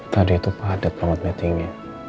tadi itu padat banget bettingnya